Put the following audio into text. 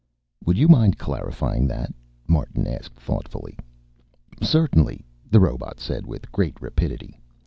"Would you mind clarifying that?" Martin asked thoughtfully. "Certainly," the robot said with great rapidity.